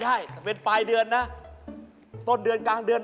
อ่ารู้